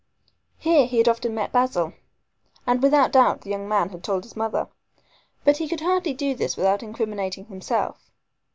Here he had often met Basil, and without doubt the young man had told his mother. But he could hardly do this without incriminating himself.